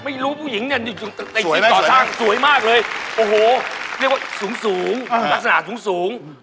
ไม่รู้ผู้หญิงสวยมากเลยโอ้โหเรียกว่าสูงลักษณะสูง